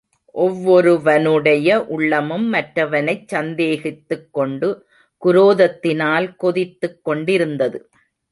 ஒவ்வொருவனுடைய உள்ளமும் மற்றவனைச் சந்தேகித்துக் கொண்டு குரோதத்தினால் கொதித்துக் கொண்டிருந்தது.